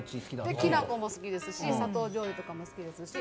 きな粉も好きですし砂糖じょうゆとかも好きですし。